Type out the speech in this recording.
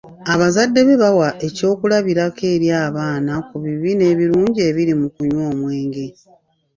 Abazadde be bawa eky'okulabirako eri abaana ku bibi n'ebirungi ebiri mu kunywa omwenge.